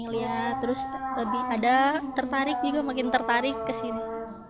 lihat terus lebih ada tertarik juga makin tertarik kesini